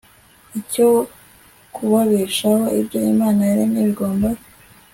icyo kubabeshaho Ibyo Imana yaremye bigomba